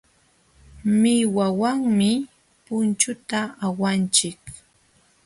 Millwawanmi punchuta awanchik.